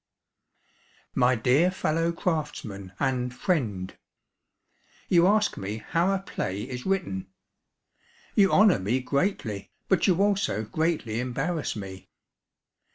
My dear fellow craftsman and friend: You ask me how a play is written. You honor me greatly, but you also greatly embarrass me.